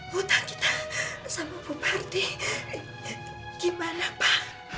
huta kita sama bupati gimana pak